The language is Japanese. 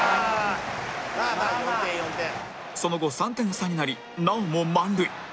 その後３点差になりなおも満塁